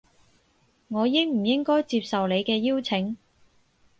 我應唔應該接受你嘅邀請